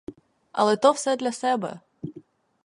Але то все для себе.